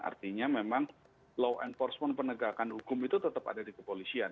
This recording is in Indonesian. artinya memang law enforcement penegakan hukum itu tetap ada di kepolisian